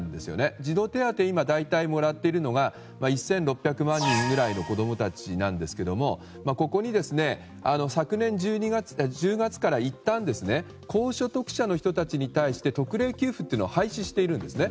児童手当、今大体もらっているのが１６００万人ぐらいの子供たちなんですがここに昨年１０月からいったん高所得者の人たちに対して特例給付というものを廃止しているんですね。